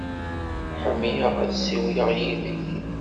Ḥemmleɣ ad ssiwleɣ yid-k.